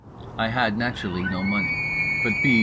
I had, naturally, no money; but B.